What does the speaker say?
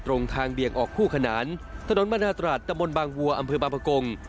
ตรงทางเบี่ยงออกคู่ขนานถนนมนาตรัสตะมนต์บางวัวอำเภอบางประกง